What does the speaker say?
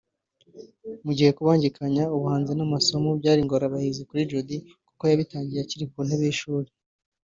Mu gihe kubangikanya ubuhanzi n’amasomo byari ingorabahizi kuri Jody kuko yabitangiye akiri ku ntebe y’Ishuri